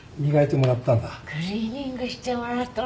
クリーニングしてもらったの。